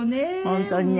本当にね。